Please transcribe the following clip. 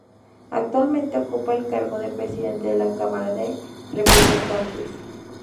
Actualmente ocupa el cargo de Presidente de la Cámara de Representantes.